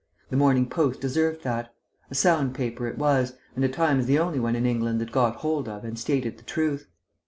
The Morning Post deserved that: a sound paper it was, and at times the only one in England that got hold of and stated the Truth.